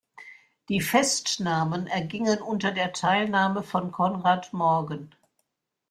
Die Festnahmen ergingen unter der Teilnahme von Konrad Morgen.